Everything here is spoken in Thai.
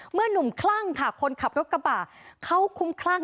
เมื่อนุ่มคลั่งคนขับรถกระบาดเขาขุ้มคลั่ง